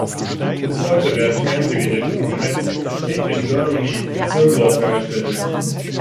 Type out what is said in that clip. Bis heute werden Fernsehgeräte von Metz „Made in Germany“ in Zirndorf hergestellt.